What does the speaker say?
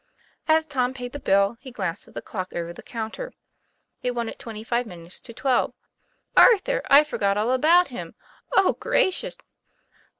As Tom paid the bill he glanced at the clock over the counter. It wanted twenty five minutes to twelve. ;' Arthur, I forgot all about him. Oh, gracious!